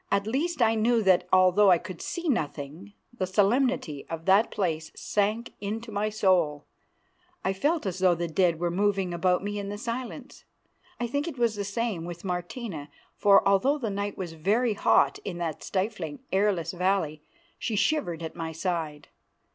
At least I knew that, although I could see nothing, the solemnity of that place sank into my soul. I felt as though the dead were moving about me in the silence. I think it was the same with Martina, for although the night was very hot in that stifling, airless valley, she shivered at my side.